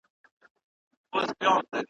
مگر هېر به وایه څنگه ستا احسان کړم `